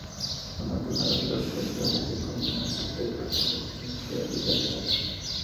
Son aplanados dorso-ventralmente como una cinta y presentan simetría bilateral.